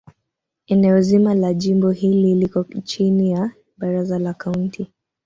Eneo zima la jimbo hili liko chini ya Baraza la Kaunti.